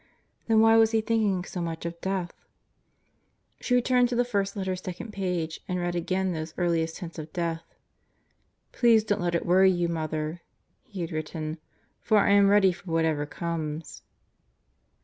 ... Then why was he thinking so much of death? She turned the first letter's second page and read again those earliest hints of death. "Please don't let it worry you, Mother," he had written, "for I am ready for whatever comes."